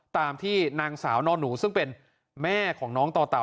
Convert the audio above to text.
ตามที่นางสาวนอนหนูซึ่งเป็นแม่ของน้องต่อเต่า